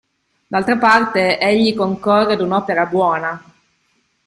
D'altra parte, egli concorre ad un'opera buona.